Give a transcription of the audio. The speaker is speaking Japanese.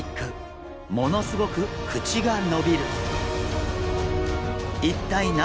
ものすごく口が伸びる。